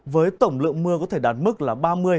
với tổng lượng mưa có thể đạt mức là